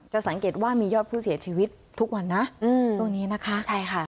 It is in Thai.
สังเกตว่ามียอดผู้เสียชีวิตทุกวันนะช่วงนี้นะคะใช่ค่ะ